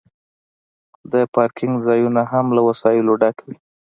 د پارکینګ ځایونه هم له وسایلو ډک وي